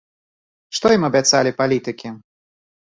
Што ім абяцалі палітыкі?